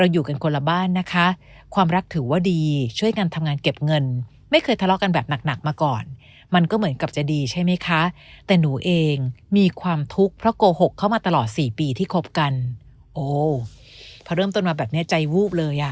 ทุกเพราะโกหกเข้ามาตลอด๔ปีที่คบกันพอเริ่มต้นมาแบบนี้ใจวูบเลย